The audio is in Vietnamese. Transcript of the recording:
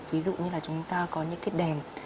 ví dụ như là chúng ta có những cái đèn